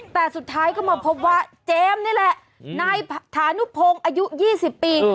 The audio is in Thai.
แต่สุดท้ายก็มาพบว่าเจมส์นี่แหละนายฐานุพงศ์อายุ๒๐ปี